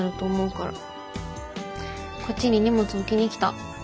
こっちに荷物置きに来た。